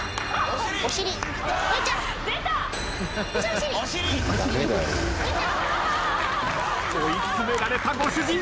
追い詰められたご主人。